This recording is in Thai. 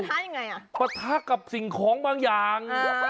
ปะท้าอย่างไรอ่ะปะท้ากับสิ่งของบางอย่าง